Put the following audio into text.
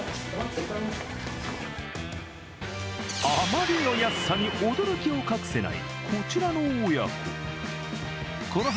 あまりの安さに驚きを隠せないこちらの親子。